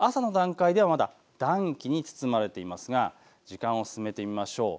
朝の段階ではまだ暖気に包まれていますが時間を進めてみましょう。